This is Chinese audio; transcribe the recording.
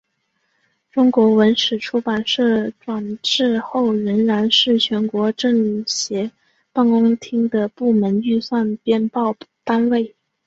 中国文史出版社转制后仍然是全国政协办公厅的部门预算编报单位。